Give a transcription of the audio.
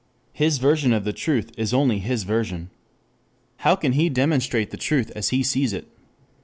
His version of the truth is only his version. How can he demonstrate the truth as he sees it?